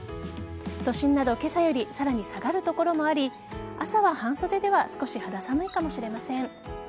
都心など、今朝よりさらに下がる所もあり朝は半袖では少し肌寒いかもしれません。